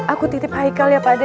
aku titip haikal ya pade